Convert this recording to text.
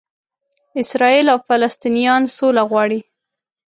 اسراییل او فلسطنینان سوله غواړي.